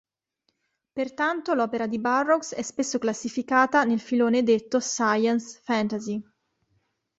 Pertanto l'opera di Burroughs è spesso classificata nel filone detto "science fantasy".